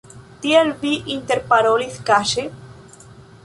Tiel, vi interparolis kaŝe?